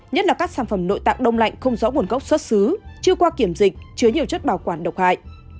nhất là các sản phẩm nội tạng đông lạnh không rõ nguồn gốc xuất xứ chưa qua kiểm dịch chứa nhiều chất bảo quản độc hại